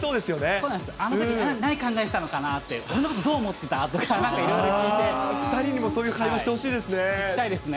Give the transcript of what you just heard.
そうなんですよ、あのとき何考えてたのかなとか、こんなことどう思ってたとかいろ２人にもそういう会話してほ聞きたいですね。